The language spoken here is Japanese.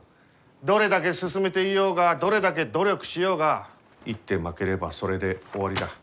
どれだけ進めていようがどれだけ努力しようが一手負ければそれで終わりだ。